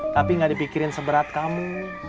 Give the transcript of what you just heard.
tapi gak dipikirin seberat kamu